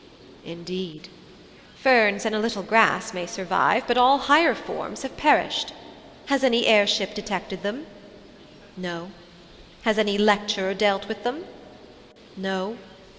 'Indeed.' 'Ferns and a little grass may survive, but all higher forms have perished. Has any air ship detected them?' 'No.' 'Has any lecturer dealt with them?' 'No.'